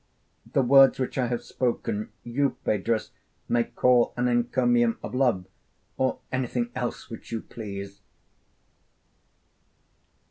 The words which I have spoken, you, Phaedrus, may call an encomium of love, or anything else which you please.